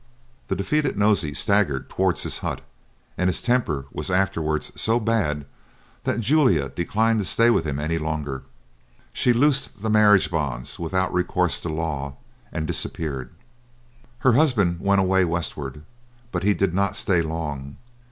The defeated Nosey staggered towards his hut, and his temper was afterwards so bad that Julia declined to stay with him any longer; she loosed the marriage bonds without recourse to law, and disappeared. Her husband went away westward, but he did not stay long.